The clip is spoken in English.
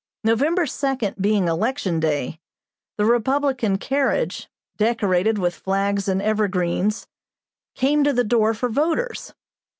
November 2 being election day, the Republican carriage, decorated with flags and evergreens, came to the door for voters.